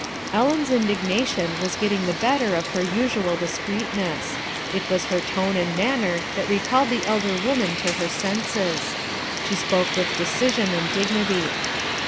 Ellen's indignation was getting the better of her usual discreetness. It was her tone and manner that recalled the elder woman to her senses. She spoke with decision and dignity.